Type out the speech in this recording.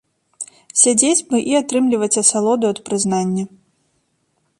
Сядзець бы і атрымліваць асалоду ад прызнання.